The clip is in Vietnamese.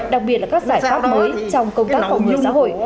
đặc biệt là các giải pháp mới trong công tác phòng chống tội phạm xã hội